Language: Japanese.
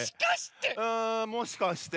あもしかして。